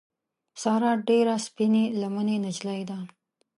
ساره ډېره سپین لمنې نجیلۍ ده.